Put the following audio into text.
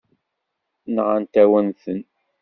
Nɣant-awen-ten.